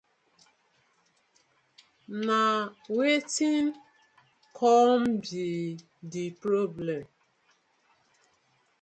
Na wetin com bi di problem.